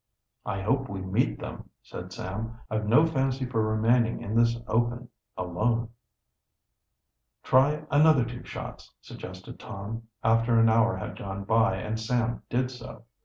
"I hope we meet them," said Sam. "I've no fancy for remaining in this open, alone." "Try another two shots," suggested Tom, after an hour had gone by, and Sam did so.